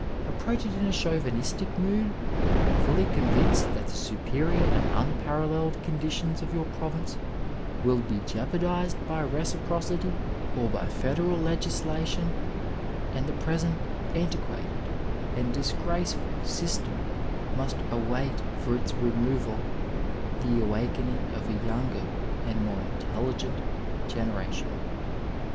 Approach it in a Chauvinistic mood, fully convinced that the superior and unparalleled conditions of your province will be jeo pardized by reciprocity or by Federal legislation, and the present antiquated and disgraceful system must await for its removal the awakening of a younger and more in telligent generation.